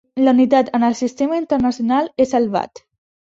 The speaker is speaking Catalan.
La unitat en el Sistema Internacional és el watt.